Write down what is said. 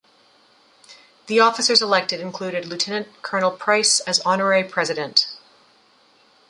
The officers elected included Lieutenant-Colonel Price as honorary president.